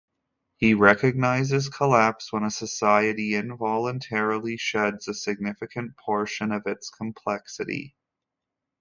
He recognizes collapse when a society involuntarily sheds a significant portion of its complexity.